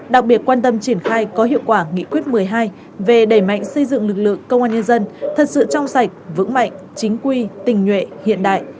đặc biệt quan tâm triển khai có hiệu quả nghị quyết một mươi hai về đẩy mạnh xây dựng lực lượng công an nhân dân thật sự trong sạch vững mạnh chính quy tình nhuệ hiện đại